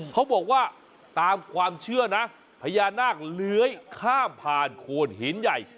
เขาบอกว่าตามความเชื่อนะพญานาคเลื้อยข้ามผ่านโคนหินใหญ่